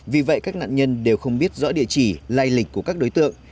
vì vậy các nạn nhân đều không biết rõ địa chỉ lay lịch của các đối tượng